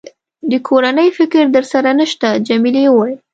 د کورنۍ فکر در سره نشته؟ جميلې وويل:.